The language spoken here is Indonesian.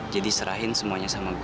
jadi serahin semuanya sama gue